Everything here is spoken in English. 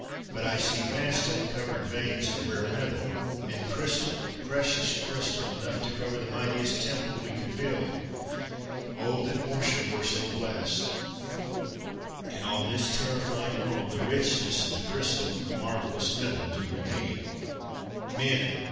But I see vast uncovered veins of rare metal and crystal, precious crystal, enough to cover the mightiest Temple we could build! Oh, that Mortia were so blessed! In all this terrifying world, the richness of the crystal and the marvelous metal do redeem. "Men!